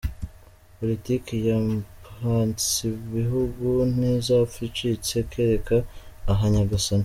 Politiki ya Mpatsibihugu ntizapfa icitse kereka aha Nyagasani !